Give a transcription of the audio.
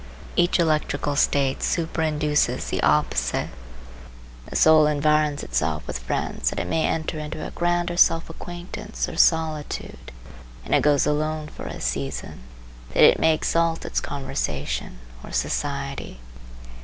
Each electrical state superinduces the opposite. The soul environs itself with friends that it may enter into a grander self acquaintance or solitude; and it goes alone for a season, that it may exalt its conversation or society.